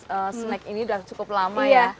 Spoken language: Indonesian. bisnis snack ini udah cukup lama ya